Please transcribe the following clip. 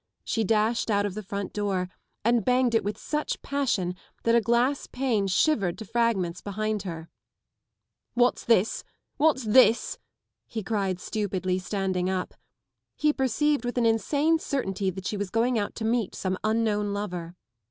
She dashed out of the front door and banged it with such passion that a glass pane shivered to fragments behind her. t* What's this? What's this? " he cried stupidly, standing up. He perceived with an insane certainty that she was going out to meet some unknown lover.